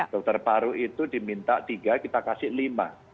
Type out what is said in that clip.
dokter paru itu diminta tiga kita kasih lima